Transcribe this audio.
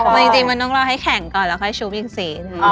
จริงมันต้องรอให้แข็งก่อนแล้วค่อยชูวิกสี